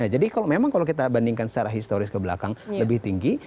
jadi memang kalau kita bandingkan secara historis ke belakang lebih tinggi